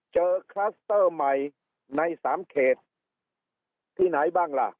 คลัสเตอร์ใหม่ในสามเขตที่ไหนบ้างล่ะ